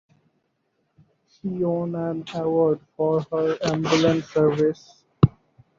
She won an award for her ambulance service.